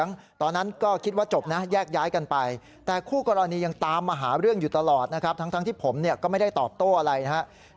อยู่ตลอดนะครับทั้งที่ผมก็ไม่ได้ตอบโต้อะไรนะครับ